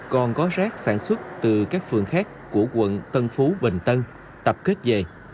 còn có rác sản xuất từ các phường khác của quận tân phú bình tân tập kết về